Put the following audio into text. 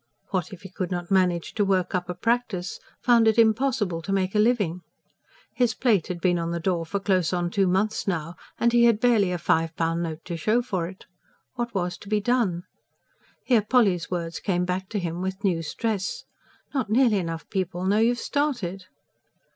What if he could not manage to work up a practice? ... found it impossible to make a living? His plate had been on the door for close on two months now, and he had barely a five pound note to show for it. What was to be done? Here Polly's words came back to him with new stress. "Not nearly enough people know you've started."